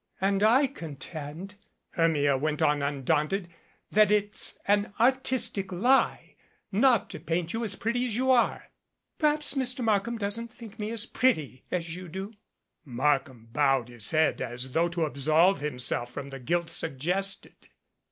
"And I contend," Hermia went on undaunted, "that it's an artistic lie not to paint you as pretty as you are." "Perhaps Mr. Markham doesn't think me as pretty as you do " THE GORILL'A Markham bowed his head as though to absolve him self from the guilt suggested.